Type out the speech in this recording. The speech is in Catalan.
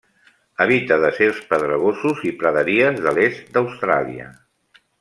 Habita deserts pedregosos i praderies de l'est d'Austràlia.